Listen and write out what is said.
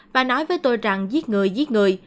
bà nói với tôi rằng giết người giết người